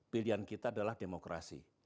pilihan kita adalah demokrasi